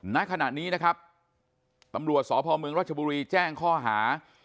ในขณะนี้ตำรวจสพเมืองราชบุรีแจ้งข้อหา